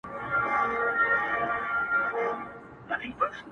گرد د مخونو هم پاكيږي د بــاران پــه اوبـــو!